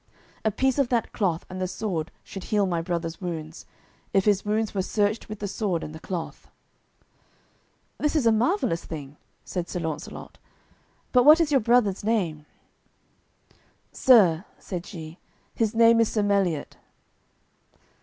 A piece of that cloth and the sword should heal my brother's wounds, if his wounds were searched with the sword and the cloth." "This is a marvellous thing," said Sir Launcelot, "but what is your brother's name?" "Sir," said she, "his name is Sir Meliot."